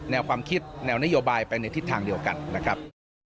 แนวความคิดแนวนโยบายไปในทิศทางเดียวกันนะครับ